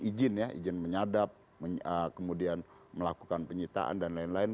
izin ya izin menyadap kemudian melakukan penyitaan dan lain lain